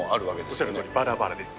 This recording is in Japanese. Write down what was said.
おっしゃるとおり、ばらばらです。